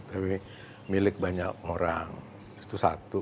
tapi milik banyak orang itu satu